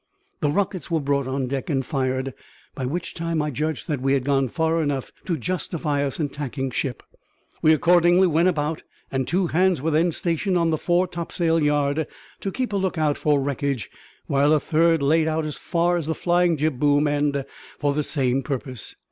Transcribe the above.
The rockets were brought on deck and fired; by which time I judged that we had gone far enough to justify us in tacking ship. We accordingly went about, and two hands were then stationed on the fore topsail yard to keep a lookout for wreckage, while a third laid out as far as the flying jib boom end for the same purpose.